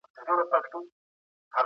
کمپيوټر نېټورک قوي کوي.